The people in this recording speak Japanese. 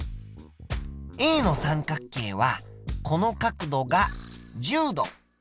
Ａの三角形はこの角度が１０度。